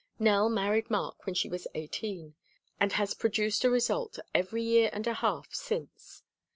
Nell married Mark when she was eighteen and has produced a result every year and a half since.